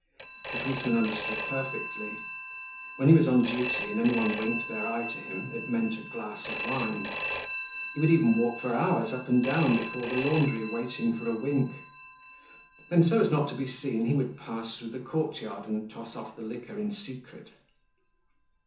The policeman understood perfectly. When he was on duty and anyone winked their eye to him it meant a glass of wine. He would even walk for hours up and down before the laundry waiting for a wink. Then so as not to be seen, he would pass through the courtyard and toss off the liquor in secret.